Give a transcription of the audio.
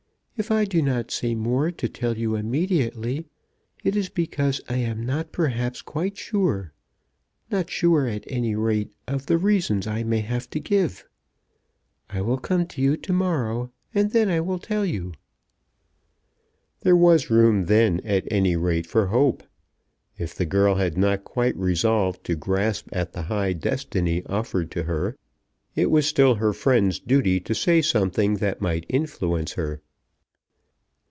If I do not say more to tell you immediately it is because I am not perhaps quite sure; not sure, at any rate, of the reasons I may have to give. I will come to you to morrow, and then I will tell you." There was room then at any rate for hope! If the girl had not quite resolved to grasp at the high destiny offered to her, it was still her friend's duty to say something that might influence her.